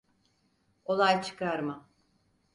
Olay çıkarma.